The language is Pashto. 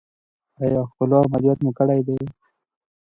ایا ښکلا عملیات مو کړی دی؟